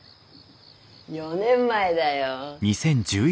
４年前だよ。